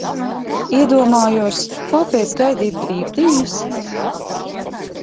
Iedomājos, kāpēc gaidīt brīvdienas?